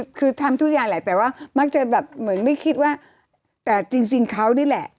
อ่าคือทำทุกอย่างแหละแต่ว่าบาบที่ไม่คิดว่าจริงเขานี่แหละ